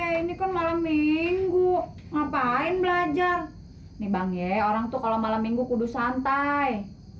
ya ini kan malam minggu ngapain belajar nih bang ye orang tuh kalau malam minggu kudus santai